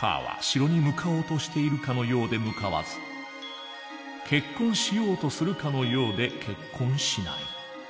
Ｋは城に向かおうとしているかのようで向かわず結婚しようとするかのようで結婚しない。